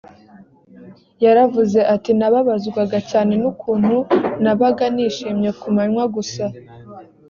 yaravuze ati nababazwaga cyane n’ukuntu nabaga nishimye ku manywa gusa